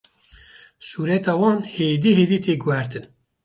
sûreta wan hêdî hêdî tê guhertin